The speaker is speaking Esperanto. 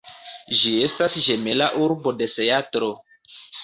Ĝi estas ĝemela urbo de Seatlo.